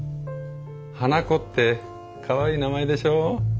「花こ」ってかわいい名前でしょ？